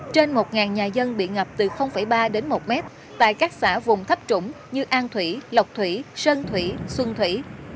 trên một nhà dân bị ngập từ ba đến một mét tại các xã vùng thấp trũng như an thủy lộc thủy sơn thủy xuân thủy